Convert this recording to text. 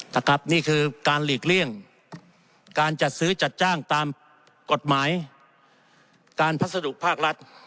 นี่คือการหลีกเลี่ยงการจัดซื้อจัดจ้างตามกฎหมายการพัสดุภาครัฐ